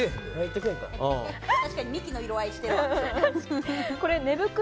確かにミキの色合いしている。